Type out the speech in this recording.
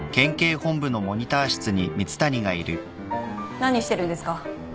何してるんですか？